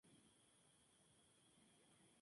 Su coloración es azul intenso, en ocasiones violáceo.